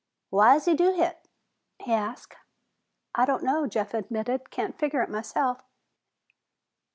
"Why's he do hit?" he asked. "I don't know," Jeff admitted. "Can't figure it myself."